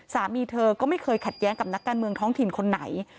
สามีเธอก็ไม่เคยขัดแย้งกับนักการเมืองท้องถิ่นคนไหน